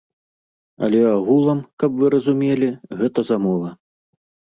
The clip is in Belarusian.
Але агулам, каб вы разумелі, гэта замова.